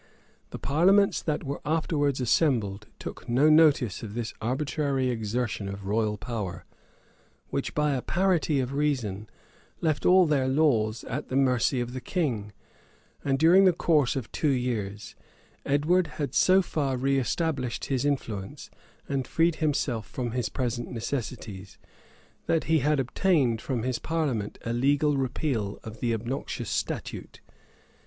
[] The parliaments that were afterwards assembled took no notice of this arbitrary exertion of royal power, which, by a parity of reason, left all their laws at the mercy of the king; and, during the course of two years, Edward had so far reëstablished his influence, and freed himself from his present necessities, that he then obtained from his parliament a legal repeal of the obnoxious statute.